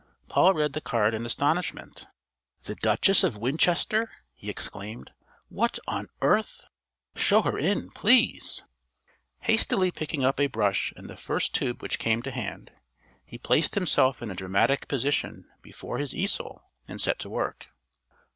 Paul read the card in astonishment. "The Duchess of Winchester," he exclaimed. "What on earth Show her in, please." Hastily picking up a brush and the first tube which came to hand, he placed himself in a dramatic position before his easel and set to work.